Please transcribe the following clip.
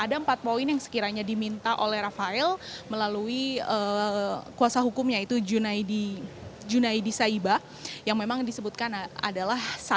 namanya diminta oleh rafael melalui kuasa hukumnya itu junaidi saiba yang memang disebutkan adalah